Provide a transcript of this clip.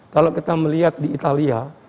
kalau kita melihat di italia